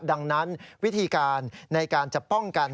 ดังนั้นวิธีการในการจะป้องกัน